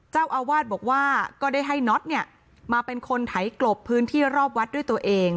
เจ้าอาวาสบอกว่าก็ได้ให้น็อตเนี่ยมาเป็นคนไถกลบพื้นที่รอบวัดด้วยตัวเอง